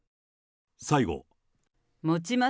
最後。